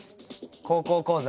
「高校講座」。